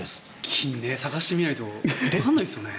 金ね、探してみないとわからないですよね。